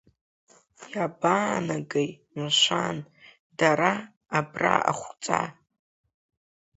Иабаанагеи, мшәан, дара, абра ахәҵа?!